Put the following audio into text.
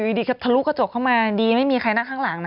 โอ้นี่เลขมันได้สะเบียนรถ